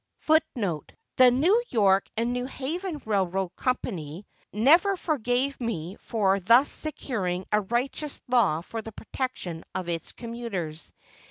[C] [C] The New York and New Haven Railroad Company never forgave me for thus securing a righteous law for the protection of its commuters.